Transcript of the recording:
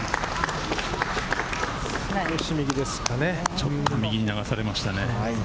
ちょっと右に流されましたね。